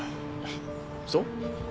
そう？